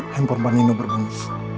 lempur panino berbunyi